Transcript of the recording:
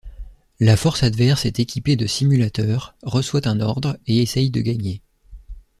La force adverse est équipée de simulateurs, reçoit un ordre et essaye de gagner.